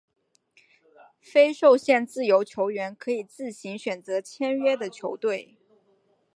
非受限自由球员可以自行选择签约的球队。